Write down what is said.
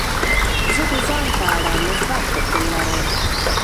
زه د ځان په اړه مثبت فکر لرم.